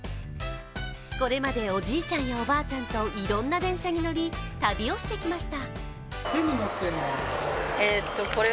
これまでおじいちゃんやおばあちゃんといろんな電車に乗り旅をしてきました。